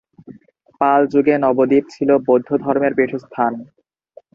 পাল যুগে নবদ্বীপ ছিল বৌদ্ধ ধর্মের পীঠস্থান।